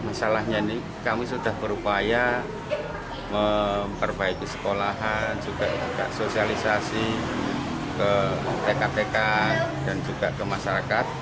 masalahnya ini kami sudah berupaya memperbaiki sekolahan juga sosialisasi ke pktk dan juga ke masyarakat